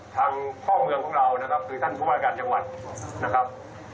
ทางพ่อเมืองของเรานะครับคือท่านผู้ว่าการจังหวัดนะครับ